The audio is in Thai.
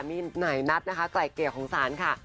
มีนายนัดนะคะไกลเกลี่ยของศาลค่ะ